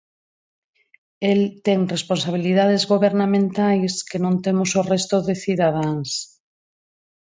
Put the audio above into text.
El ten responsabilidades gobernamentais que non temos o resto de cidadáns.